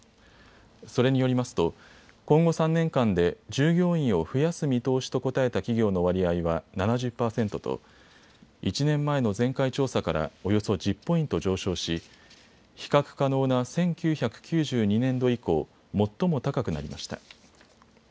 それによりますと今後３年間で従業員を増やす見通しと答えた企業の割合は７０％と１年前の前回調査からおよそ１０ポイント上昇し比較可能な１９９２年度以降、最も高くなりました。